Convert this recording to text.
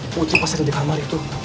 putri pasti ada di kamar itu